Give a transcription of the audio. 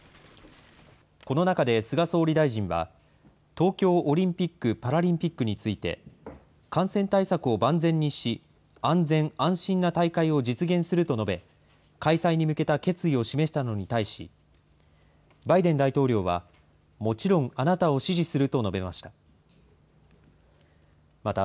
この中で菅総理大臣は、東京オリンピック・パラリンピックについて、感染対策を万全にし、安全・安心な大会を実現すると述べ、開催に向けた決意を示したのに対し、バイデン大統領は、もちろんあなたを支持すると述べました。